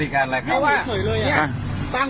เรือลองค่าขนาดนี้